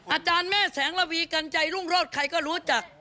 อาจารย์แม่แสงระวีกันใจรุ่งโรธใครก็รู้จัก